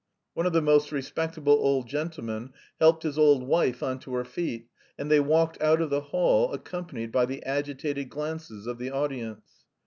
One of the most respectable old gentlemen helped his old wife on to her feet, and they walked out of the hall accompanied by the agitated glances of the audience.